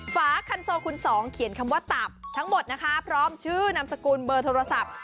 ฝาคันโซคุณสองเขียนคำว่าตับทั้งหมดนะคะพร้อมชื่อนามสกุลเบอร์โทรศัพท์